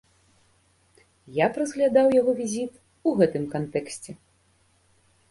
Я б разглядаў яго візіт у гэтым кантэксце.